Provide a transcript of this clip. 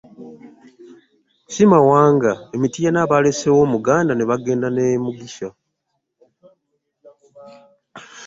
Si mawanga, e Mityana baaleseewo omuganda ne bagenda ne Mugisha.